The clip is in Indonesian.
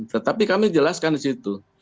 tetapi kami jelaskan di situ